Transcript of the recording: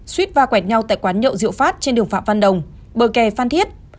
suýt va quẹt nhau tại quán nhậu rượu phát trên đường phạm văn đồng bờ kè phan thiết